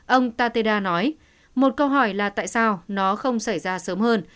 ông tateda nói một câu hỏi là tại sao nó không xảy ra sớm hơn